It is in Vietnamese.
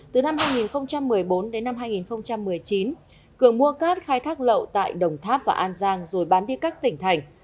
từ năm hai nghìn một mươi bốn đến năm hai nghìn một mươi chín cường mua cát khai thác lậu tại đồng tháp và an giang rồi bán đi các tỉnh thành